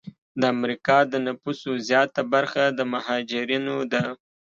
د امریکا د نفوسو زیاته برخه د مهاجرینو ده.